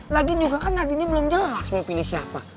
lagian juga kan nadine belum jelas mau pilih siapa